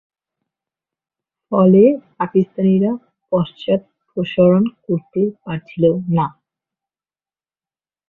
ফলে, পাকিস্তানিরা পশ্চাদপসরণ করতে পারছিল না।